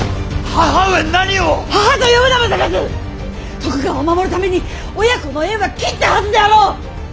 徳川を守るために親子の縁は切ったはずであろう！